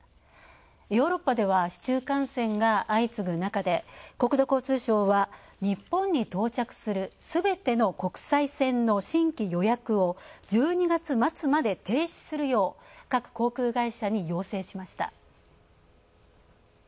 ヨーロッパでは市中感染が相次ぐ中で、国土交通省は、日本に到着するすべての国際線の新規予約を１２月末まで停止するよう各航空会社に要請しました。